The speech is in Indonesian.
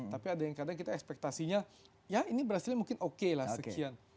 tapi ada yang kadang kita ekspektasinya ya ini berhasilnya mungkin oke lah sekian